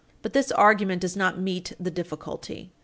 But this argument does not meet the difficulty.